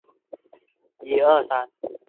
也有空袭以及战乱